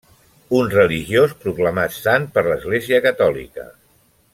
Un religiós proclamat sant per l'església catòlica.